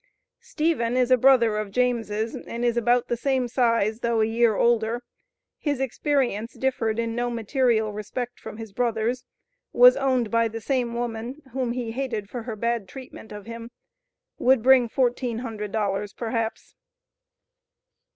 Stephen is a brother of James', and is about the same size, though a year older. His experience differed in no material respect from his brother's; was owned by the same woman, whom he "hated for her bad treatment" of him. Would bring $1,400, perhaps.